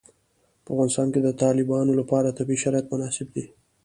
په افغانستان کې د تالابونه لپاره طبیعي شرایط مناسب دي.